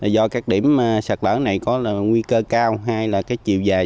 do các điểm sạt lở này có nguy cơ cao hay là cái chiều dài